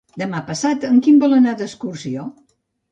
Demà passat en Quim vol anar d'excursió.